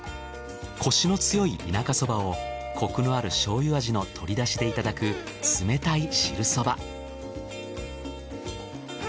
コシの強い田舎そばをコクのある醤油味の鶏だしでいただく冷たい汁そば。